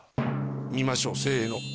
見ましょうせの。